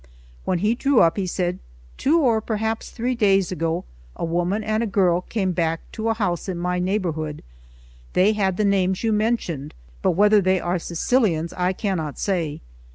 When he drew up, he said: "Two or perhaps three days ago a woman and a girl came back to a house in my neighbourhood; they had the names you mentioned, but whether they are Sicilians I cannot say."